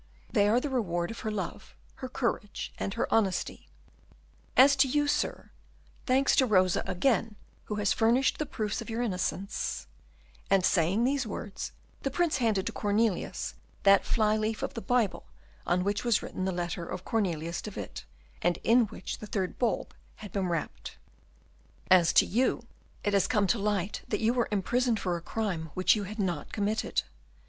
They are the reward of her love, her courage, and her honesty. As to you, Sir thanks to Rosa again, who has furnished the proofs of your innocence " And, saying these words, the Prince handed to Cornelius that fly leaf of the Bible on which was written the letter of Cornelius de Witt, and in which the third bulb had been wrapped, "As to you, it has come to light that you were imprisoned for a crime which you had not committed.